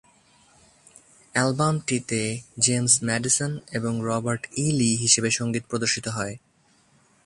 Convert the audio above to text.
অ্যালবামটিতে James Madison এবং Robert E. Lee হিসাবে সঙ্গীত প্রদর্শিত হয়।